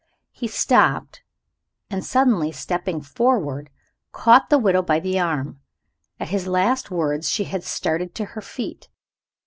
He stopped, and, suddenly stepping forward, caught the widow by the arm. At his last words she had started to her feet.